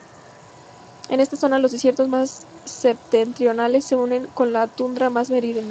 En esta zona los desiertos más septentrionales se unen con la tundra más meridional.